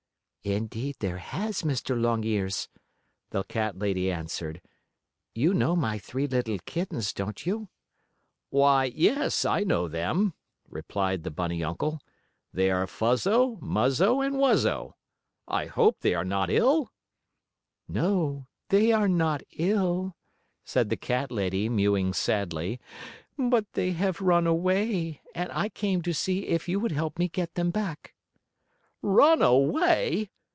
"Indeed there has, Mr. Longears," the cat lady answered. "You know my three little kittens, don't you?" "Why, yes, I know them," replied the bunny uncle. "They are Fuzzo, Muzzo and Wuzzo. I hope they are not ill?" "No, they are not ill," said the cat lady, mewing sadly, "but they have run away, and I came to see if you would help me get them back." "Run away!